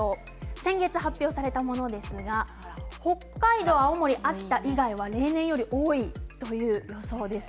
先月、発表されたものですが北海道、青森、秋田以外は例年より多いという予想です。